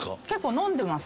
飲んでます。